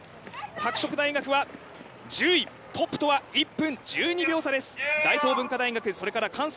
拓殖大学は１０位トップとは１分１２秒差です。